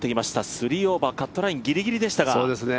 ３オーバー、カットラインギリギリでしたが。